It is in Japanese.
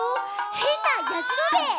へんなやじろべえ」